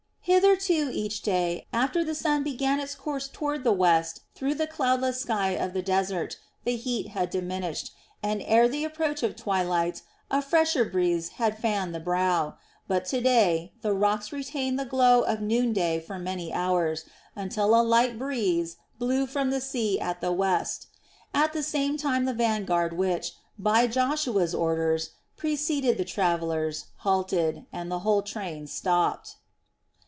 Hitherto each day, after the sun had begun its course toward the west through the cloudless sky of the desert, the heat had diminished, and ere the approach of twilight a fresher breeze had fanned the brow; but to day the rocks retained the glow of noonday for many hours, until a light cool breeze blew from sea at the west. At the same time the vanguard which, by Joshua's orders, preceded the travellers, halted, and the whole train stopped.